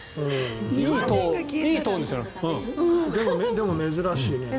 でも珍しいね。